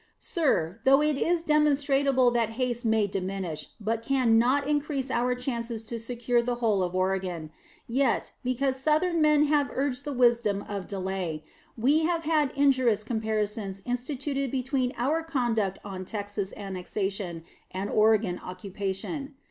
Sir, though it is demonstrable that haste may diminish but can not increase our chances to secure the whole of Oregon, yet, because Southern men have urged the wisdom of delay, we have had injurious comparisons instituted between our conduct on Texas annexation and Oregon occupation.